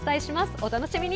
お楽しみに。